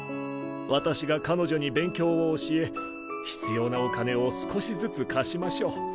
私が彼女に勉強を教え必要なお金を少しずつ貸しましょう。